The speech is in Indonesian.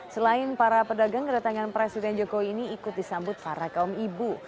selain para pedagang kedatangan presiden jokowi ini ikut disambut para kaum ibu